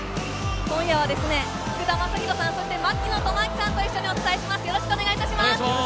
今夜は福田正博さん、そして槙野智章さんと一緒にお伝えしてまいります。